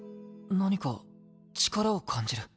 何か力を感じる。